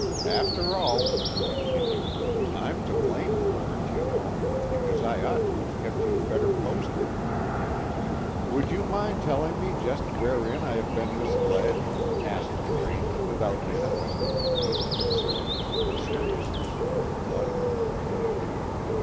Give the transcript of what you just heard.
"After all," he continued, "I'm to blame for it, you know, because I ought to have kept you better posted." "Would you mind telling me just wherein I have been misled?" asked Braine, without manifesting the least concern as to the seriousness of his blunders.